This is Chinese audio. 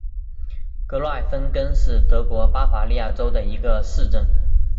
格罗尔芬根是德国巴伐利亚州的一个市镇。